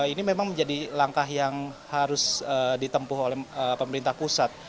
ini memang menjadi langkah yang harus ditempuh oleh pemerintah pusat